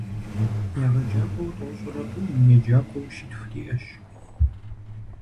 ЕгъэджакӀуэу тӀощӀрэ тӀу, еджакӏуэу щитху диӀэщ.